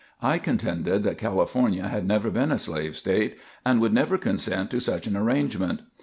"I contended that California had never been a slave State, and would never consent to such an arrangement.